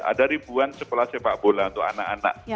ada ribuan sekolah sepak bola untuk anak anak